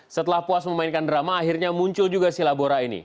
setelah puas memainkan drama akhirnya muncul juga si labora ini